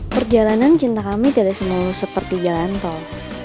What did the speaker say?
perjalanan cinta kami tidak semua seperti jalan tol